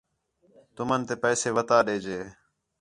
تُمن تے پیسے وتا ݙے جے